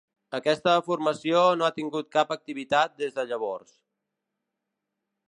Aquesta formació no ha tingut cap activitat des de llavors.